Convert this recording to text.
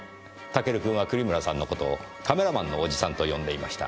タケル君は栗村さんの事をカメラマンのおじさんと呼んでいました。